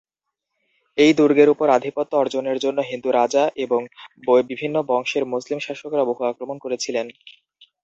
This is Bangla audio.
এই দুর্গের উপর আধিপত্য অর্জনের জন্য হিন্দু রাজা এবং বিভিন্ন বংশের মুসলিম শাসকরা বহু আক্রমণ করেছিলেন।